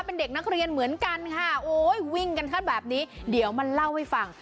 เป็นเด็กนักเรียนเหมือนกันค่ะโอ้ยวิ่งกันขั้นแบบนี้เดี๋ยวมาเล่าให้ฟัง